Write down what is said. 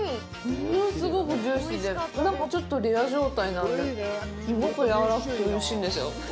物すごくジューシーで、中はちょっとレア状態なので、すごくやわらかくておいしいんですよ。